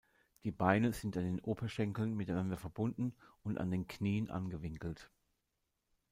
Die Beine sind an den Oberschenkeln miteinander verbunden und an den Knien angewinkelt.